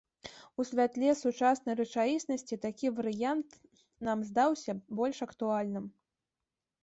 У святле сучаснай рэчаіснасці такі варыянт нам здаўся больш актуальным.